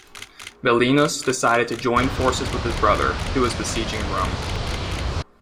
Belinus decided to join forces with his brother, who was besieging Rome.